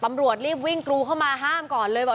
ตำรวจรีบวิ่งกรูเข้ามาห้ามก่อนเลยบอก